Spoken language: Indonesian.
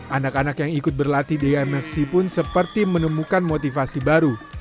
anak anak yang ikut berlatih di imfc pun seperti menemukan motivasi baru